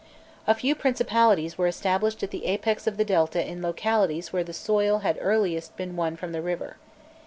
A few principalities were established at the apex of the Delta in localities where the soil had earliest been won from the river.